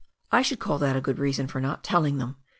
I should call that a good reason for not telling them.